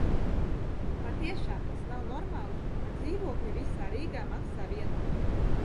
Patiešām tas nav normāli, ka dzīvokļi visā Rīgā maksā vienādi.